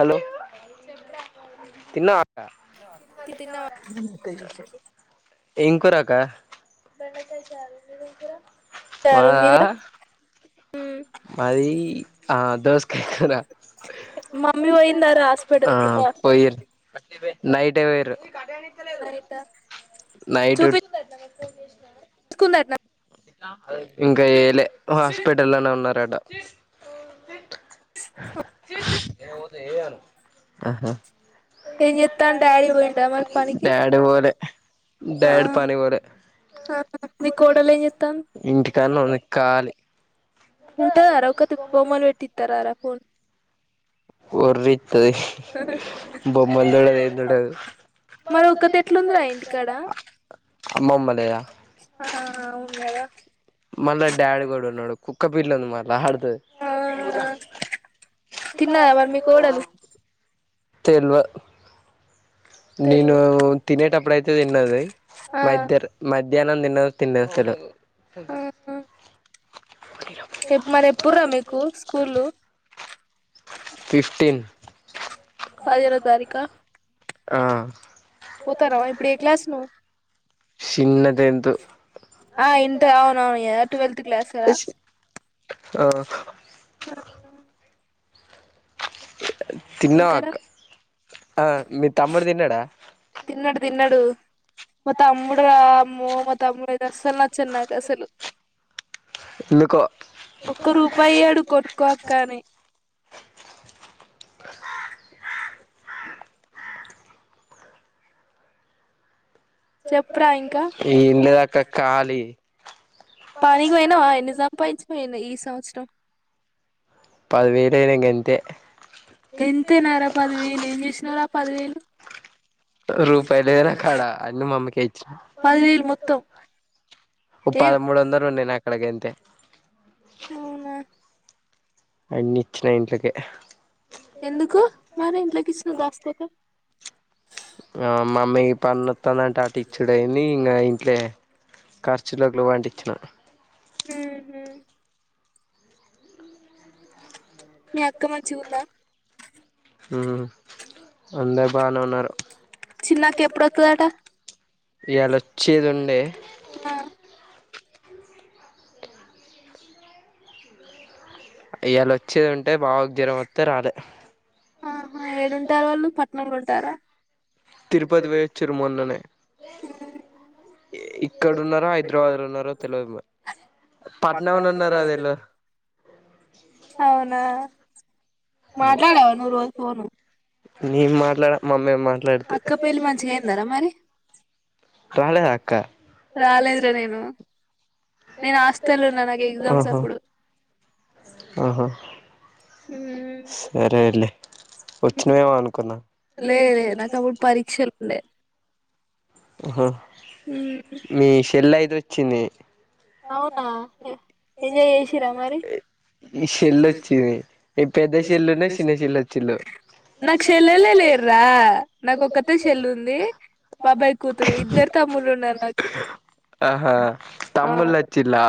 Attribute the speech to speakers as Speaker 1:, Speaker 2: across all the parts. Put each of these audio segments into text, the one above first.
Speaker 1: Hello తిన్నవ
Speaker 2: తిన్నావా [inaudible]
Speaker 1: ఎంకురక్క బెండకాయ చారు మేదేంకుర మదా రా ఆ పోయిన్ నైట్ే పోయరు నైట్
Speaker 2: [inaudible]
Speaker 1: ఇంకా చేయలే హాస్పిటల్నే ఉన్నారట ఏ ఏనుహ
Speaker 2: ఏం చెత్తండు డాడీ పోయింట మరి పనికికి ఆ ఆ నీ కోడలు ఏం చేస్తుంది
Speaker 1: కాాలి
Speaker 2: ఉంటార రా ఒక బొమ్మలు పెట్టిస్తారారా ఫోన్
Speaker 1: ఒరితద్ది బొమ్మలు సూడాది ఏం సూడాది
Speaker 2: మరి ఒకతి ఎట్లుంది రా ఇంటి కాడ ఆ ఆ అవును గద
Speaker 1: మళ్ళా డాడ్ కూడా ఉన్నాడు కుక్క పిల్లంది మరి లగడ్తది తెల్వ నేను తినేటప్పుడు అయితే తిన్నది మధ్య మధ్యాహ్నం తిన్నదొ తిన్నదో తెల్వదు
Speaker 2: ఏ మరి ఎప్పుడ్రా మీకు స్కూలు పదిహేనో తారీకా
Speaker 1: ఆ
Speaker 2: పోతున్నావా ఇప్పుడు ఏ క్లాస్ ను
Speaker 1: చిన్నది
Speaker 2: ఆ ఇంట అవునువును టోవెల్త్ క్లాస్ కదా ఆ
Speaker 1: తిన్నావాక్క ఆ మీ తమ్ముడు తిన్నాడా
Speaker 2: తిన్నాడు తిన్నాడు మ అమ్ముడు అమ్మ మ ము అసలు నచ్చడు అసలు ఒక్క రూపాయి ఇయ్యాడు కొనుక్కోక్క అని
Speaker 1: ఏం లేదక్క కాలి
Speaker 2: పనికినికి పోయినావ ఎన్ని సంపాదించపోయిను ఈ సంవత్సరం
Speaker 1: పదివేలయినయి గంతే
Speaker 2: టెన్త్నారా పదివేలు ఏం చేసినారా పదివేలు
Speaker 1: రూపాయలేదనా కాడా అన్న మామ్మకిచ్చిన పదమూడు వందలు ఉన్నాను అక్కడికి అంతే
Speaker 2: అవునా
Speaker 1: అన్ని ఇచ్చిన ఇంటికిే
Speaker 2: ఎందుకు మరి ఇంట్లోకి ఇచ్చిన దాస్తత
Speaker 1: ఆ మామ్మీ పన్ను వస్తుందింటే ఆటు ఇచ్చడుయింది ఇంకా ఇంట్లే ఖర్చులగులు వంటిచ్చిన
Speaker 2: హ న అక్క మంచి ఉందా
Speaker 1: అందరు బానే ఉన్నారు ఇవాలాొచ్చేది ఉండే ఇవాలా వచ్చేది ఉంటే బావకి జ్వరం వస్తే రాలే
Speaker 2: ఆహా ఏడుంటారు వాళ్ళు పట్టనంలో ఉంటారా
Speaker 1: తిరుపతి వేచ్చిరు మొన్ననే ఇక్కడ ఉన్నారో హైదరాబాద్ లో ఉన్నారో తెలు పట్నంలో ఉన్నరు అద ఎలో
Speaker 2: అవునా మాట్లాడావా ను రోజు ఫోను
Speaker 1: నేం మాట్లాడ మామ్మే మాట్లాడుతే రాలేద అక్క ఆహా ఆహా సరేలే
Speaker 2: లే లే నాకు అప్పుడు పరీక్ష
Speaker 1: మీ షెల్లఐది వచ్చింది
Speaker 2: అవునా ఎంజా్ చేసరా మరి
Speaker 1: ఈ ెల్లుొచ్చిది ఈ పెద్ద చెల్లున చిన్న చెల్ొచ్చిలు
Speaker 2: నాకు షెల్లలే లేర్రా నాకు ఒక్కతే చెెల్ ఉంది బాబాయి కూతురు ఇద్దరు తమ్ముళ్లు ఉన్నారు నాకు
Speaker 1: ఆహా తమ్ముళచ్చలా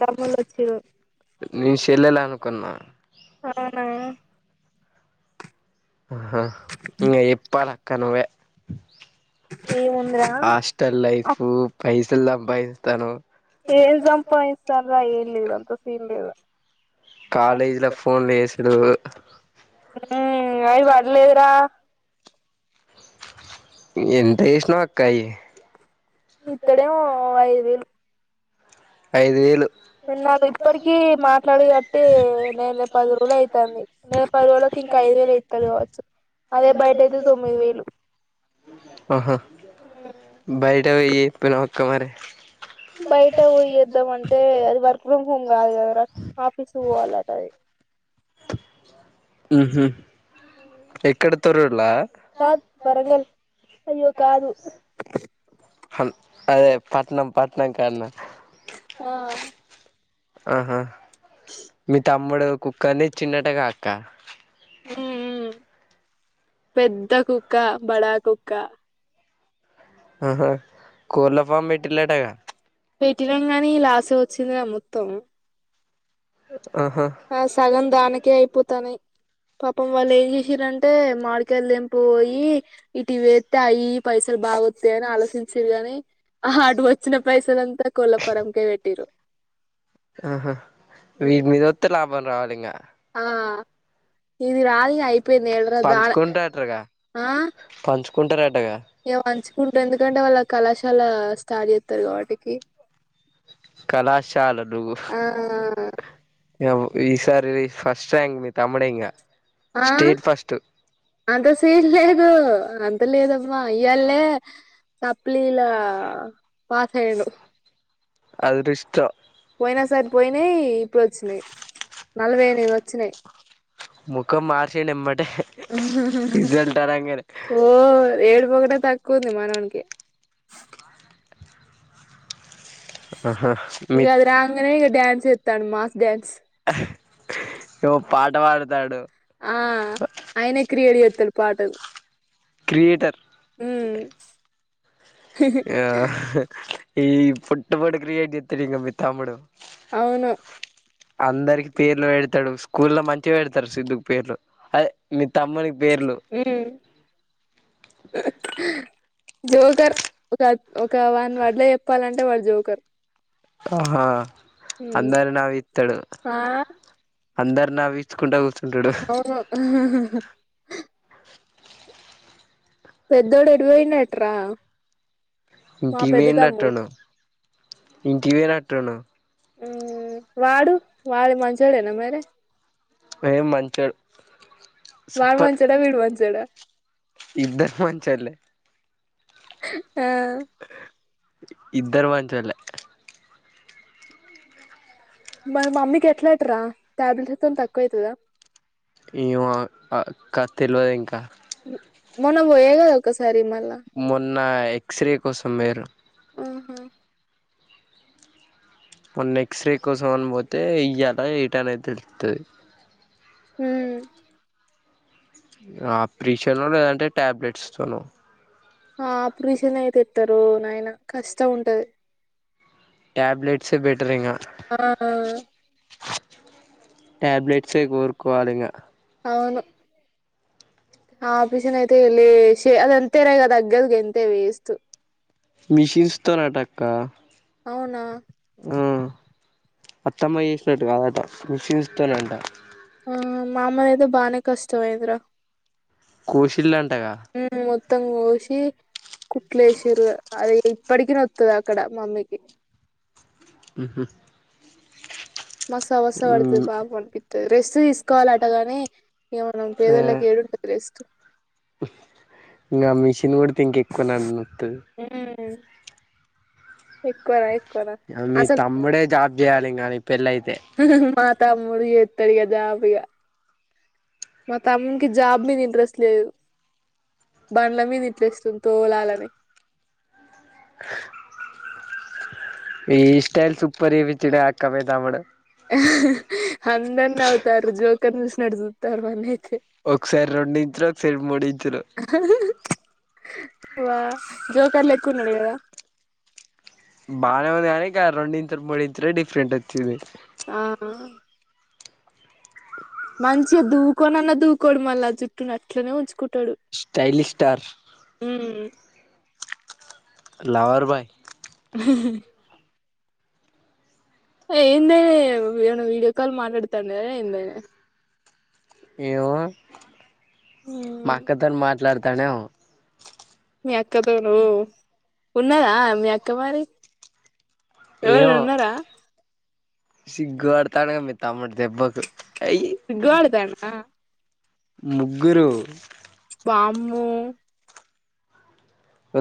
Speaker 2: తమలు వచ్చ
Speaker 1: నేను చెల్లెాల అనుకున్నా
Speaker 2: అవునా
Speaker 1: ఆహా ఇ ఎప్పాలక్క నువే హాస్టల్ లైఫ్ పైసలు సంపాదిస్తాను
Speaker 2: ఏం సంంపా ఇస్తార ఏల్ లేద అంత సన్లిద
Speaker 1: కాలేజీ లో ఫోన్లు వేసుడు
Speaker 2: ఉ అయి పడలేదురా ఇతడో ఐదు వేలు
Speaker 1: ఐదు వేలు
Speaker 2: న్నా ఇప్పటిక మాట్లాడు కట్టి నెల పది రోజులు అవుతుంది నెల పది రోజులకి ఐదు వేలు ఎస్తారు కావచ్చు అదే బయట అయితే తొమ్మిది వేలు
Speaker 1: ఆహా బయట వెయ ప న ఒక్క మర
Speaker 2: బయట ఊయేద్దాం అంటే అది వర్క్ ఫ్రమ్ కాది ఆఫీస్ పోవాలది
Speaker 1: ఉహమ్ ఎక్కడ తరలా
Speaker 2: అయ్యో కాదు
Speaker 1: అదే పట్నం పట్నం కన్నా
Speaker 2: ఆ
Speaker 1: ఆహా మీ తమ్ముడు కుక్కని ఇచ్చిండటగా అక్క.
Speaker 2: పెద్ద కుక్క బడా కుక్క
Speaker 1: ఆహా కోళ్ళ ఫామ్ పెట్టిలటగా.
Speaker 2: పెట్టినం కానీ లాసే వచ్చిందిరా మొత్తం. ఆ సగం దానికే అయిపోతానయి. పాపం వాళ్ళు ఏం చేశింరంటే మామిడికాయలు తెంప పోయి ఇటు ఇవి వెత్తే అయి ఇయి పైసలు బాగ వత్తయి అని ఆలోచించిర్రు కాని ఆహా అటు వచ్చిన పైసలు అంతా కోళ్ళ ఫారమ్ కే పెట్టిర్రు.
Speaker 1: ఆహా వీటి మీద వత్తే లాభం రావాలి ఇంగా.
Speaker 2: ఆ ఇది రాదు ఇగా అయిపోయింది [unintelligible] గాల ఆ
Speaker 1: ఉంచుకుంటరా
Speaker 2: ఇగా పంచుకుంటరు ఎందుకంటే వాళ్ళ కళాశాల స్టార్ చేస్తరు కాబట్టికి.
Speaker 1: కళాశాలలు ఈసారి ఫస్ట్ ర్యాంక్ మీ తమ్ముడే ఇంగా
Speaker 2: ఆ అంత సీన్లేదు అం తలేదమ్మా ఇయ్యాల్నే సప్లీలా పాస్ అయ్యిండు.
Speaker 1: అదృష్టం.
Speaker 2: పోయిన సారి పోయినయి ఇప్పుడు వచ్చినయి. నలభైఎనిది వచ్చినయి. ఓ ఏడుపు ఒకటే తక్కువుంది మనోనికి. ఇగ అది రాంగనే డ్యాన్స్ చేత్తాండు మాస్ డ్యాన్స్.
Speaker 1: ఎమో పాట పాడుతాండు.
Speaker 2: ఆ ఆయనే క్రియేట్ చేత్తడు పాటలు. హ్
Speaker 1: ఆ ఈ పొట్టు పొట్టు క్రియేట్ చేత్తడు ఇంగా మీ తమ్ముడు. అందరికి పేర్లు పెడతడు. స్కూల్ల మంచిగ పెడతడు సిద్దు
Speaker 2: హ్ జోకర్ ఒక ఒక వన్ వర్డ్ లా చెప్పాలంటే వాడు జోకర్.
Speaker 1: ఆహా అందరిని నవ్విత్తడు.
Speaker 2: అవును పెద్దోడు ఎటువోయినడంట్రా.
Speaker 1: ఇంటికి వేయినట్టుండు, ఇంటింటి వేయినట్టుఉండు.
Speaker 2: వాడు వాడు మంచోడేనా మరి.
Speaker 1: ఏ మంచోడు.
Speaker 2: వాడు మంచోడా, వీడు మంచోడా.
Speaker 1: ఇద్దరు మంచోళ్ళే.
Speaker 2: ఆ
Speaker 1: ఇద్దరు మంచోళ్ళే.
Speaker 2: మరి మమ్మీకి ఎట్లాటరా ట్యాబ్లెట్లతోటి తక్కువ అయితదా.
Speaker 1: ఏమో అ అక్క తెలివదు ఇంకా.
Speaker 2: మొన్న పోయేగదా ఒకసారి మళ్ళా
Speaker 1: నా ఎక్స్రే కోసం పోయిర్రు. మొన్న ఎక్స్రే కోసం అని పోతే ఇయ్యాల ఎటు అనేది తెలుత్తది.
Speaker 2: హ్
Speaker 1: ఆపరేషనో లేదంటే ట్యాబ్లెట్సతోనో
Speaker 2: ఆపరేషన్ అయితేతరు నాయినా కష్టం ఉంటది.
Speaker 1: ట్యాబ్లెట్స్ బెటరింగా.
Speaker 2: ఆ
Speaker 1: టాబ్లెట్సే కోరుకోవాలి ఇంగ
Speaker 2: అవును ఆ ఆప్రీషన్ అయితే లేసి అది అంటేనే కదా [unintelligible] వేస్టు
Speaker 1: మీ సిస్టర్ ఆట అక్కా
Speaker 2: అవునా
Speaker 1: ఆ అత్తమ్మా చేసినట్టు కాదట మీ సిస్టర్ ఆట
Speaker 2: ఆ మా అమ్మ ది అయితే బానే కష్టమైది రా ఉ మొత్తం గోసి కుట్లు వేసిర్రు అది ఇప్పటికి నత్తది అక్కడ మమ్మీకి
Speaker 1: ఉహు
Speaker 2: మస్తు అవస్థ పడుతుంది పాపం అనిపిస్తది రెస్ట్ తీసుకోవాలి అటగానీ ఏమో నా పెదోళ్ళకి ఏడుంటది రెస్ట్
Speaker 1: ఇంకా మిషన్ కూడితే ఇంక ఎక్కువ నా నత్తది
Speaker 2: ఎక్కువనా ఎక్కువనా అసలు మా తమ్ముడు చెత్తాడు ఇగ జాబ్ ఇగ మా తమ్మునీకి జాబ్ మీద ఇంట్రెస్ట్ లేదు బండ్ల మీద ఇంట్రెస్ట్ ఉంది తోలాలని
Speaker 1: ఈ స్టైల్ సూపర్ చెప్పిచ్చుడు అక్కా మీ తమ్ముడు
Speaker 2: అందరు నవ్వుతారు జోకర్ నీ చూసినట్టు చుత్తారు వాన్ని
Speaker 1: ఒకసైడ్ రెండు ఇంచులు ఒకసైడ్ మూడు ఇంచులు
Speaker 2: వా జోకర్ లెక్కా ఉన్నాడు కదా
Speaker 1: బానే ఉంది కానీక రెండు ఇంచులు మూడు ఇంచులు డిఫరెంట్ వచ్చింది
Speaker 2: ఆ మంచిగా దూవ్వుకోనన్నా దూకోడు మళ్ళా జుట్టును అట్లనే ఉంచుకుంట టాడు ఊ
Speaker 1: లవర్ బాయ్
Speaker 2: ఏందే విడు వీడియో కాల్ మాట్లాడతా ఏందీ
Speaker 1: ఏమో మా అక్క తోని మాట్లాడతండమో
Speaker 2: మీ అక్కతోను ఉన్నాదా మీ అక్క మరి ఎవరన్న ఉన్నారా
Speaker 1: సిగ్గు పడుతండేమో మీ తమ్ముడు దెబ్బకి అయ్
Speaker 2: సిగ్గుపడతండా
Speaker 1: ముగ్గురు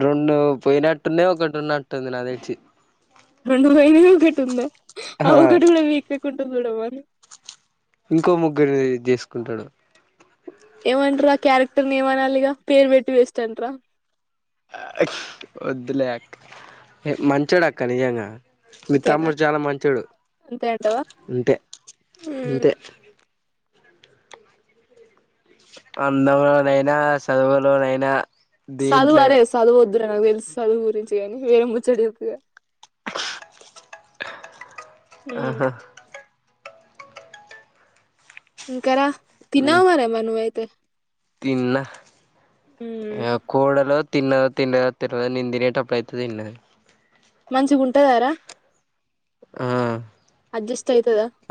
Speaker 1: రెండు పోయినట్టున్నాయి ఒకటి ఉన్నట్టు ఉంది నాకు తెలిసి
Speaker 2: రెండు పోయినాయి ఒకటి ఉందా ఆ ఒకటి కూడా పీకితే [unintelligible]
Speaker 1: ఇంకో ముగ్గురిని తీసుకుంటాడు
Speaker 2: ఏమంటరా క్యారెక్టర్ ని ఏమనాలిగా పేరు పెట్టి వెస్ట్ అంటరా
Speaker 1: వద్దులే అక్కా ఏ మంచోడు అక్క నిజంగా మీ తమ్ముడు చాలా మంచోడు అంతే అంతే అందంలోనైనా చదువులోనైనా
Speaker 2: చదువు అరే చదువు వద్దురా నాకు తెలుసు చదువు గురించి కానీ వేరే ముచ్చట చెప్పు ఇగ
Speaker 1: ఆహా
Speaker 2: ఇంకా రా తిన్నావా మరి నువ్వు అయితే
Speaker 1: తిన్నా కోడలో తిను తిను నేను తినేటప్పుడు అయితే తిన్నది
Speaker 2: మంచిగా వుంటాదారా
Speaker 1: ఆ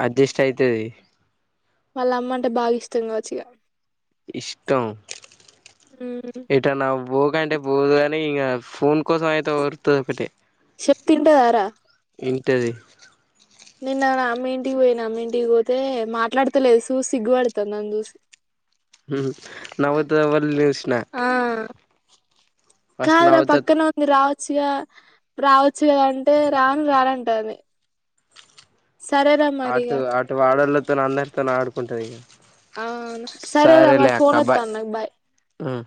Speaker 1: అడ్జస్ట్ అయితది
Speaker 2: వాళ్ళ అమ్మ అంటే బాగా ఇష్టం కావచ్చు ఇగ
Speaker 1: ఇష్టం ఇటన్న బోకంటే పోదు కాని ఇగ ఫోన్ కోసం అయితే వుర్రుతది ఒకటే
Speaker 2: చెప్తింటదారా
Speaker 1: టది
Speaker 2: నిన్న ఆ మీ ఇంటికి పోయినా మీ ఇంటికి పోతే మాట్లాడతలేదు సూ సిగ్గుపడతుంద్ నన్ను చూసి
Speaker 1: మ్ నవ్వుతది ఎవల్ని చుసిన
Speaker 2: కాదు రా పక్కన ఉంది రావచ్చుగా రావచ్చుగ అంటే రా రానంటంది
Speaker 1: అటు అటు వాడోల్లతోని అందరితో ఆడుకుంటది ఇగ సరేలే అక్క బాయ్ మ్